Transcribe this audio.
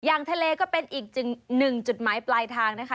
ทะเลก็เป็นอีกหนึ่งจุดหมายปลายทางนะคะ